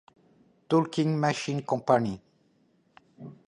Elle fait de nombreux enregistrements pour la Victor Talking Machine Company.